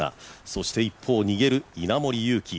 そして一方、逃げる稲森佑貴。